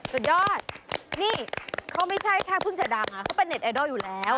สุดยอดนี่เขาไม่ใช่แค่เพิ่งจะดังเขาเป็นเน็ตไอดอลอยู่แล้ว